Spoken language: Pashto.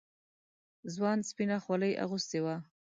ځوان سپينه خولۍ اغوستې وه.